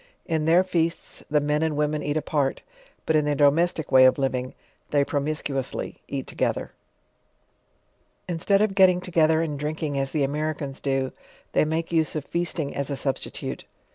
In their feasts, the men and women eat apart; but in their domestic way of liv ing, they promiscuously, eat together* 48 JOURNAL OF Instead of getting together and drinking as the Americans do, they make use of feasting as a substi'tue.